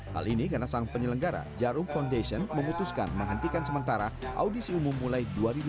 hal ini karena sang penyelenggara jarum foundation memutuskan menghentikan sementara audisi umum mulai dua ribu dua puluh